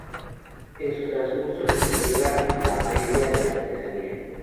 En su transcurso se celebra la Feria de la Artesanía.